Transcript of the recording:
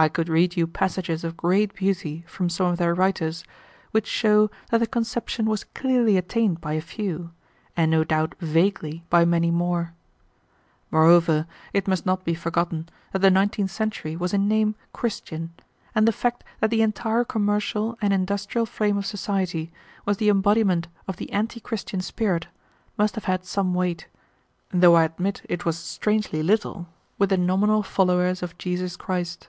I could read you passages of great beauty from some of their writers which show that the conception was clearly attained by a few, and no doubt vaguely by many more. Moreover, it must not be forgotten that the nineteenth century was in name Christian, and the fact that the entire commercial and industrial frame of society was the embodiment of the anti Christian spirit must have had some weight, though I admit it was strangely little, with the nominal followers of Jesus Christ.